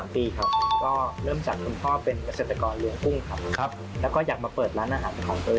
๓ปีครับก็เริ่มจากคุณพ่อเป็นเกษตรกรเลี้ยงกุ้งครับแล้วก็อยากมาเปิดร้านอาหารเป็นของตัวเอง